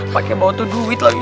pakai bau itu duit lagi